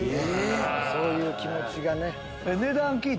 そういう気持ちがね。